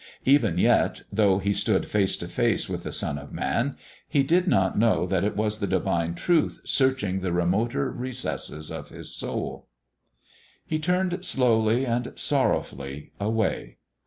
Even yet, though he stood face to face with the Son of Man, he did not know that it was the divine truth searching the remoter recesses of his soul. He turned slowly and sorrowfully away.